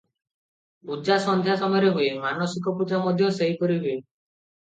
ପୂଜା ସନ୍ଧ୍ୟା ସମୟରେ ହୁଏ, ମାନସିକ ପୂଜା ମଧ୍ୟ ସେହିପରି ହୁଏ ।